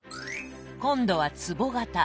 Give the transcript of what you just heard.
今度はつぼ型。